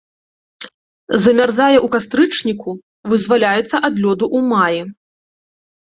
Замярзае ў кастрычніку, вызваляецца ад лёду ў маі.